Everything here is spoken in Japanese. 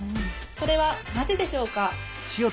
それはなぜでしょうか？